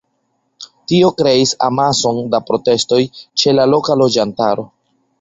Tio kreis amason da protestoj ĉe la loka loĝantaro.